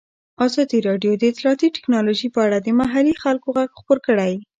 ازادي راډیو د اطلاعاتی تکنالوژي په اړه د محلي خلکو غږ خپور کړی.